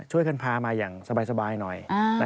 ช่วยกันพามาอย่างสบายหน่อย